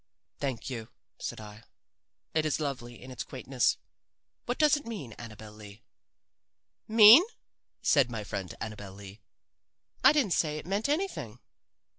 "Thank you," said I. "It is lovely in its quaintness. What does it mean, Annabel Lee?" "Mean?" said my friend Annabel Lee. "I didn't say it meant anything."